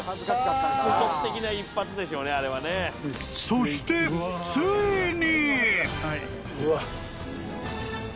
［そしてついに］